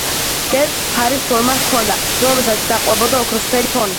გერბს ფარის ფორმა ჰქონდა, რომელსაც დაყვებოდა ოქროსფერი ფონი.